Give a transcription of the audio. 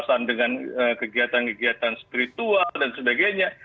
kekuasaan dengan kegiatan kegiatan spiritual dan sebagainya